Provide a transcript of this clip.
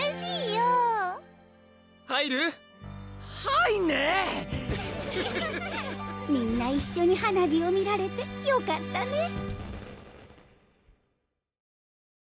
アハハハハみんな一緒に花火を見られてよかったね